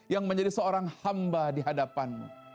yang menjadi seorang hamba di hadapanmu